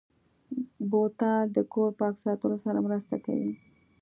بوتل د کور پاک ساتلو سره مرسته کوي.